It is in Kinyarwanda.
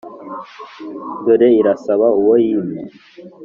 dore irasaba uwo yimye